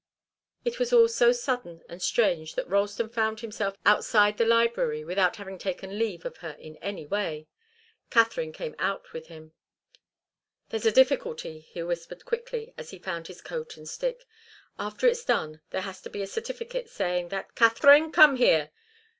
It was all so sudden and strange that Ralston found himself outside the library without having taken leave of her in any way. Katharine came out with him. "There's a difficulty," he whispered quickly as he found his coat and stick. "After it's done there has to be a certificate saying that " "Katharine! Come here!"